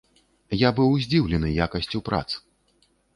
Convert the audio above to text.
Я быў здзіўлены якасцю прац!